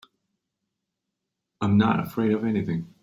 I'm not afraid of anything.